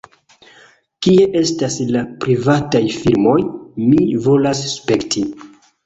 "Kie estas la privataj filmoj? Mi volas spekti"